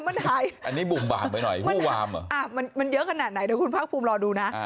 ไม่แต่มันหายมันเยอะขนาดไหนเดี๋ยวคุณภากภูมิรอดูนะ